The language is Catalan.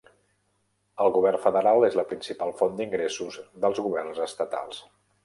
El govern federal és la principal font d'ingressos dels governs estatals.